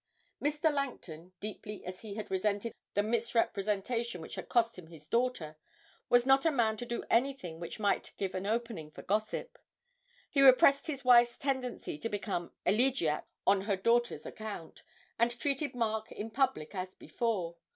Mr. Langton, deeply as he had resented the misrepresentation which had cost him his daughter, was not a man to do anything which might give any opening for gossip; he repressed his wife's tendency to become elegiac on her daughter's account, and treated Mark in public as before.